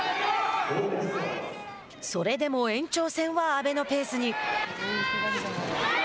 それでも、延長戦は阿部のペースに。